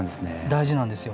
大事なんですよ。